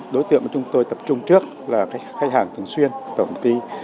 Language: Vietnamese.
đối tượng chúng tôi tập trung trước là khách hàng thường xuyên tổng ti